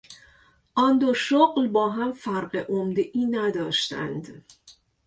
آن دو شغل با هم فرق عمدهای نداشتند.